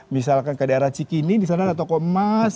misalkan ke daerah cikini disana ada toko emas